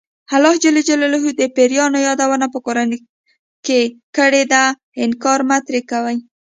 الله ج د پیریانو یادونه په قران کې کړې ده انکار مه ترې کوئ.